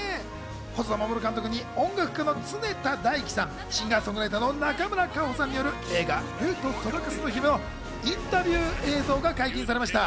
細田守監督に音楽家の常田大希さん、シンガー・ソングライターの中村佳穂さんによる映画『竜とそばかすの姫』のインタビュー映像が解禁されました。